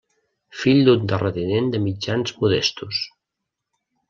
Fill d'un terratinent de mitjans modestos.